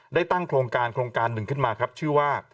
ได้ตั้งโครงการโครงการหนึ่งขึ้นมาครับชื่อว่า